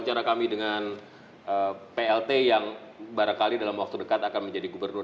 terima kasih pak jarot